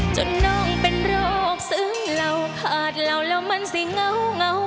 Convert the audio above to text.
จนน้องเป็นโรคซึ้งเหล่าขาดเหล่าแล้วมันสิเงา